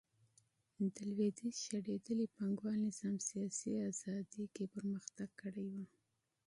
د لوېدیځ شړېدلي پانګوال نظام سیاسي ازادي کې پرمختګ کړی و